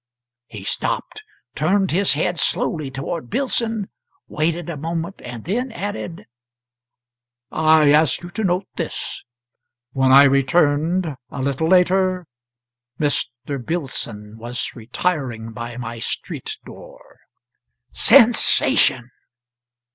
He stopped, turned his head slowly toward Billson, waited a moment, then added: "I ask you to note this; when I returned, a little latter, Mr. Billson was retiring by my street door." [Sensation.